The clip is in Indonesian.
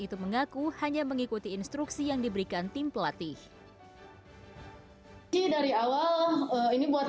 itu mengaku hanya mengikuti instruksi yang diberikan tim pelatih ki dari awal ini buat